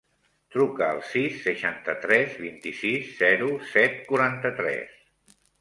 Truca al sis, seixanta-tres, vint-i-sis, zero, set, quaranta-tres.